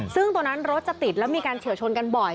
ซึ่งตรงนั้นรถจะติดแล้วมีการเฉียวชนกันบ่อย